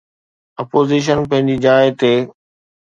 Opposition پنهنجي جاءِ تي.